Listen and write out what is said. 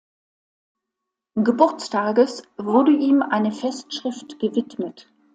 Geburtstages wurde ihm eine Festschrift gewidmet.